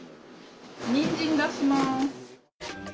にんじん出します。